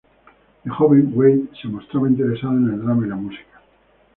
De joven, Wade se mostraba interesado en el drama y la música.